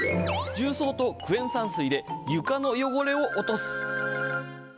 重曹とクエン酸水で床の汚れを落とす。